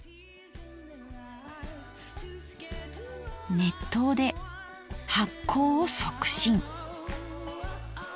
熱湯で発酵を促進。